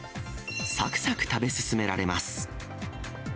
さくさく食べ進められます。